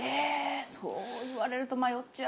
そう言われると迷っちゃう。